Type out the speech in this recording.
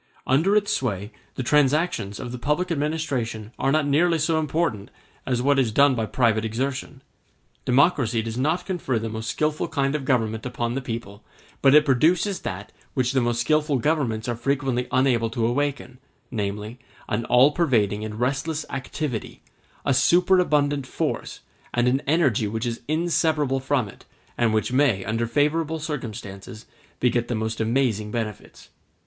Under its sway the transactions of the public administration are not nearly so important as what is done by private exertion. Democracy does not confer the most skilful kind of government upon the people, but it produces that which the most skilful governments are frequently unable to awaken, namely, an all pervading and restless activity, a superabundant force, and an energy which is inseparable from it, and which may, under favorable circumstances, beget the most amazing benefits.